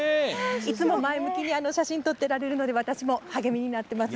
いつも前向きに写真を撮ってられるので私も励みになってます。